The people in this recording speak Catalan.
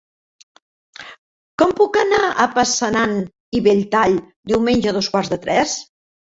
Com puc anar a Passanant i Belltall diumenge a dos quarts de tres?